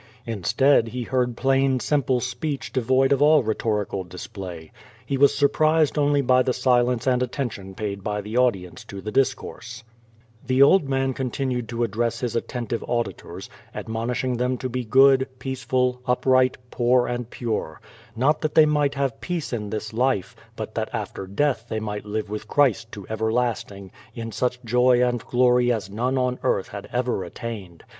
Instead he heard plain, simple speech devoid of all rhetorical display. He was surprised only by the silence and attention paid by the audi ence to the discourse. QUO VADI^. 159 The old man continued to address his attentive auditors, admonishing them to he good, peaceful, upriglit, i)oor, and pure; not tiiey might have peace in this lilo, but that alter death they might live with Christ to everlasting, in such joy and glory as none on earth had ever attained.